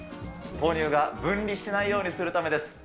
豆乳が分離しないようにするためです。